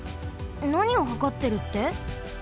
なにをはかってるって？